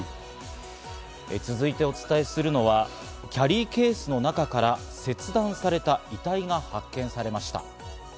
続いてお伝えするのは、キャリーケースの中から切断された遺体が発見されました。